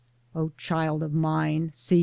0 child of mine ! See !